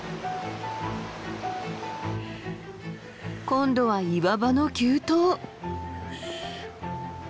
今度は岩場の急登！